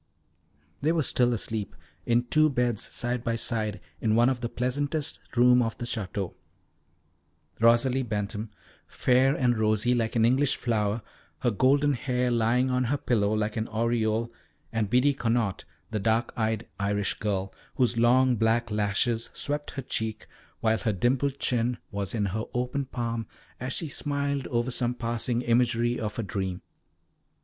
They were still asleep, in two beds side by side, in one of the pleasantest rooms of the Château. Rosalie Bentham, fair and rosy, like an English flower, her golden hair lying on her pillow like an aureole, and Biddy Connaught, the dark eyed Irish girl, whose long black lashes swept her cheek, while her dimpled chin was in her open palm, as she smiled over some passing imagery of her dream.